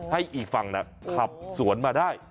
อีกฝั่งขับสวนมาได้